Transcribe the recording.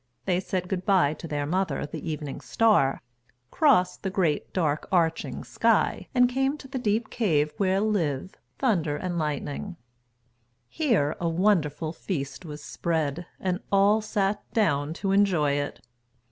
They said good bye to their mother, the Evening Star, crossed the great dark arching sky, and came to the deep cave where live Thunder and Lightning. [Footnote 3: A folk story of India.] Here a wonderful feast was spread, and all sat down to enjoy it.